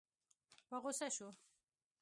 په غوسه شو.